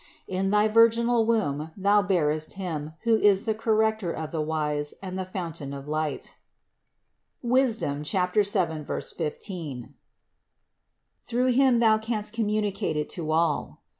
In thy virginal womb Thou bearest Him, who is the Corrector of the wise and the fountain of light (Wis. 7, 15) ; through Him Thou canst communicate it to all.